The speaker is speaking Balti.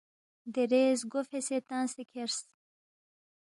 دیرے زگو فیسے تنگسے کھیرس